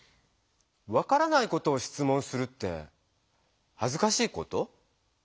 分からないことを質問するってはずかしいこと？